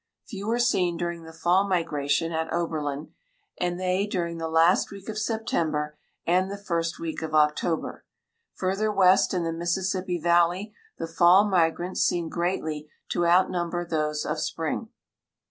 Few are seen during the fall migration at Oberlin, and they during the last week of September and the first week of October. Further west in the Mississippi valley the fall migrants seem greatly to outnumber those of spring.